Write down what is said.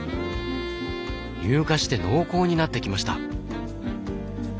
乳化して濃厚になってきました。